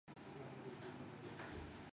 سب سے خطرناک ونٹیلیٹر ہے موت کی بڑی وجہ ۔